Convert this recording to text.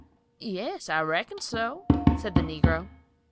"Yes, reckon so," said the negro.